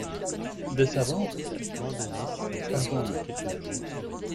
Des savants, peut-être ! —Pardon, Ned.